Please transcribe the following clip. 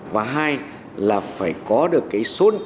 và hai là phải có được cái số